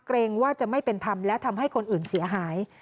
เกรงว่าจะไม่เป็นธรรมและทำให้คนอื่นเสียหาย